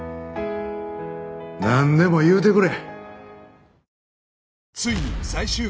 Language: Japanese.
なんでも言うてくれ！